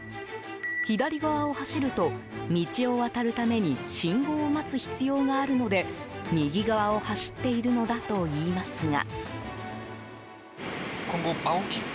左側を走ると、道を渡るために信号を待つ必要があるので右側を走っているのだといいますが。